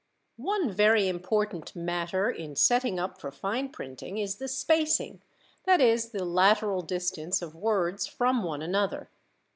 One very important matter in "setting up" for fine printing is the "spacing," that is, the lateral distance of words from one another.